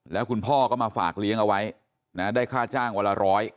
แล้วคุณพ่อก็มาฝากเลี้ยงเอาไว้ได้ค่าจ้างวันละร้อย